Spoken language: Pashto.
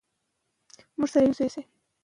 موږ باید د خپلو لیکوالانو او شاعرانو ملاتړ وکړو.